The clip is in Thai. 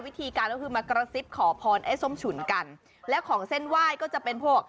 วิธีการก็คือมากระซิบขอพรไอ้ส้มฉุนกันแล้วของเส้นไหว้ก็จะเป็นพวก